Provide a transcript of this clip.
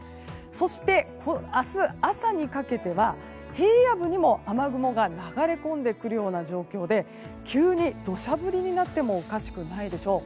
そして明日朝にかけては平野部にも雨雲が流れ込んでくるような状況で急に土砂降りになってもおかしくないでしょう。